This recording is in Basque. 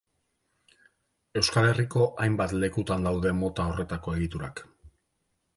Euskal Herriko hainbat lekutan daude mota horretako egiturak.